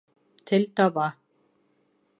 Тел таба.